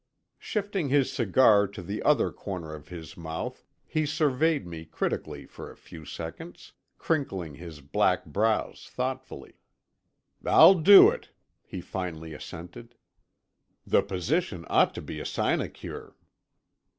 Shifting his cigar to the other corner of his mouth he surveyed me critically for a few seconds, crinkling his black brows thoughtfully. "I'll do it," he finally assented. "The position ought to be a sinecure.